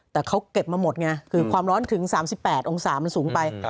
แต่เขาเก็บมาหมดไงคือความร้อนถึง๓๘องศามันสูงไป